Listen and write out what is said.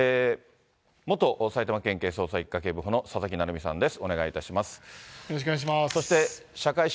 元埼玉県警捜査１課警部補の佐々木成三さんです。